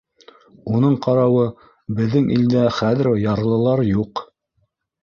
Уның ҡарауы беҙҙең илдә хәҙер ярлылар юҡ.